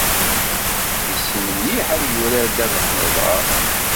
Yessen mliḥ ad yurar ddabex n uḍaṛ.